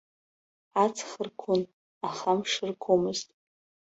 Аҵх ргон, аха амш ргомызт.